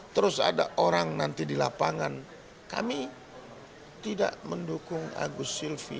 terus ada orang nanti di lapangan kami tidak mendukung agus silvi